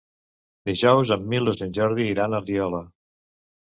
Dijous en Milos i en Jordi iran a Riola.